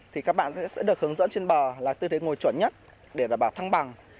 thì các bạn sẽ được hướng dẫn trên bờ là tôi thấy ngồi chuẩn nhất để đảm bảo thăng bằng